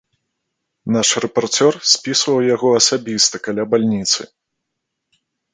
Наш рэпарцёр спісваў яго асабіста каля бальніцы.